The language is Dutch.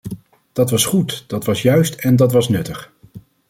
Dat was goed, dat was juist en dat was nuttig.